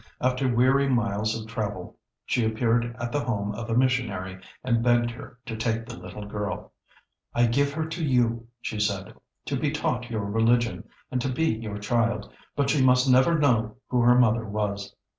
After weary miles of travel she appeared at the home of a missionary and begged her to take the little girl. "I give her to you," she said, "to be taught your religion, and to be your child, but she must never know who her mother was."